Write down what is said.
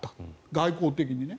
外交的にね。